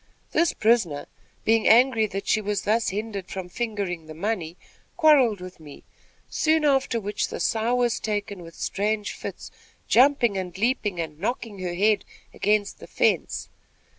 This prisoner, being angry that she was thus hindered from fingering the money, quarrelled with me; soon after which the sow was taken with strange fits, jumping, leaping and knocking her head against the fence.